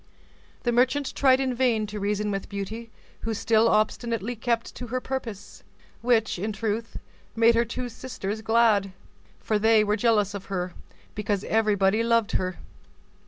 The merchant in vain tried to reason with Beauty who still obstinately kept to her purpose; which, in truth, made her two sisters glad, for they were jealous of her, because everybody loved her.